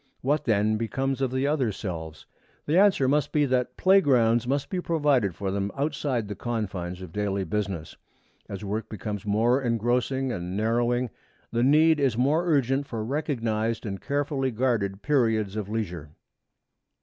What then becomes of the other selves? The answer must be that playgrounds must be provided for them outside the confines of daily business. As work becomes more engrossing and narrowing, the need is more urgent for recognized and carefully guarded periods of leisure.